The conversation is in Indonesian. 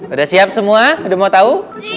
udah siap semua udah mau tahu